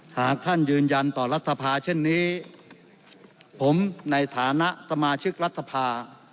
หากท่านยืนยันต่อรัฐสภาเช่นนี้ผมในฐานะสมาชิกรัฐภา